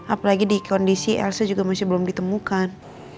apalagi di kondisi rc juga masih belum ditemukan